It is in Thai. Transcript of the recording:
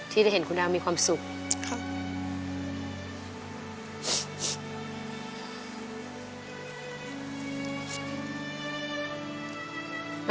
ที่ได้เห็นคุณดาวมีความสุขครับ